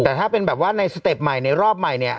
แต่ถ้าเป็นแบบว่าในสเต็ปใหม่ในรอบใหม่เนี่ย